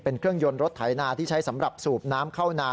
เป็นเครื่องยนต์รถไถนาที่ใช้สำหรับสูบน้ำเข้านา